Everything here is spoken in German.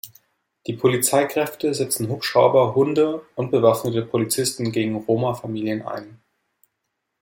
Die Polizeikräfte setzen Hubschrauber, Hunde und bewaffneten Polizisten gegen Roma-Familien ein.